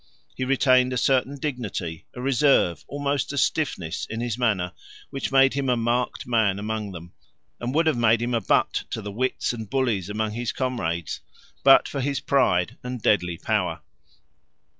He retained a certain dignity, a reserve, almost a stiffness, in his manner which made him a marked man among them, and would have made him a butt to the wits and bullies among his comrades but for his pride and deadly power.